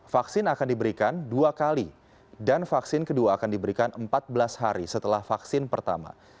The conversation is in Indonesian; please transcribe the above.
vaksin akan diberikan dua kali dan vaksin kedua akan diberikan empat belas hari setelah vaksin pertama